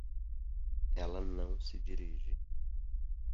Ela não se dirige.